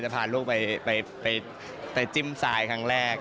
จะพาลูกไปไปจิ้มซายครั้งแรก